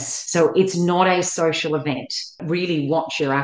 jadi itu bukan acara sosial